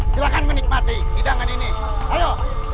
ibu loesan keempat kanan yang ada